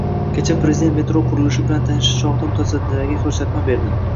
Kecha prezident metro qurilishi bilan tanishish chog'ida mutasaddilarga ko'rsatma berdi.